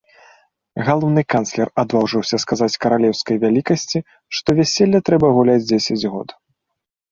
Галоўны канцлер адважыўся сказаць каралеўскай вялікасці, што вяселле трэба гуляць дзесяць год.